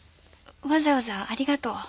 わざわざありがとう。